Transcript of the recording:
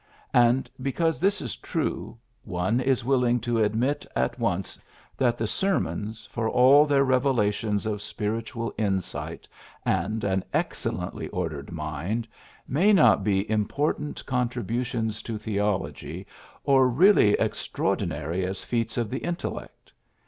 And, because this is true, one is willing to admit at once that the sermons, for aU their revelations of spiritual insight and an excellently ordered mind, may not be important con tributions to theology or really extraor dinary as feats of the intellect.